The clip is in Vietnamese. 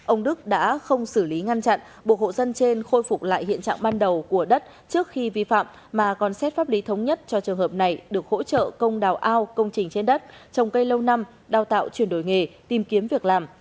ông đức đã không xử lý ngăn chặn buộc hộ dân trên khôi phục lại hiện trạng ban đầu của đất trước khi vi phạm mà còn xét pháp lý thống nhất cho trường hợp này được hỗ trợ công đào ao công trình trên đất trồng cây lâu năm đào tạo chuyển đổi nghề tìm kiếm việc làm